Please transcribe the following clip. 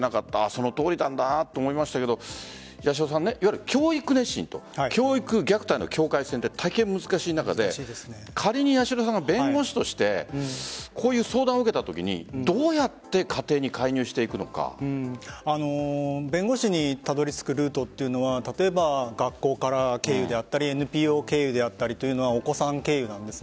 そのとおりだなと思いましたがいわゆる教育熱心と教育虐待の境界線って大変難しい中で仮に八代さんが弁護士としてこういう相談を受けたときにどうやって家庭に弁護士にたどり着くルートというのは例えば学校経由であったりＮＰＯ経由であったりお子さん経由なんです。